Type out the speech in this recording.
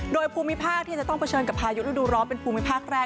โดยภูมิภาคที่จะต้องเกิดเกิดไปกับภายุรูดดูร้อนเป็นภูมิภาคแรก